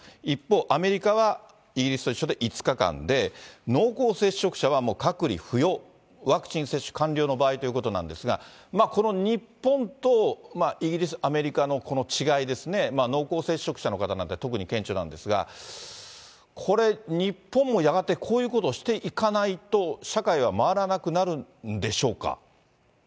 一方、アメリカはイギリスと一緒で５日間で、濃厚接触者はもう隔離不要、ワクチン接種完了の場合ということなんですが、この日本とイギリス、アメリカのこの違いですね、濃厚接触者の方なんて特に顕著なんですが、これ、日本もやがてこういうことをしていかないと、社会が回らなくなるんでしょうか。